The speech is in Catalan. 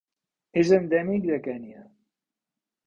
És endèmic de Kenya.